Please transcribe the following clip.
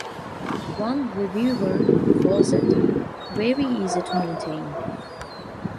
One reviewer calls it "very easy to maintain".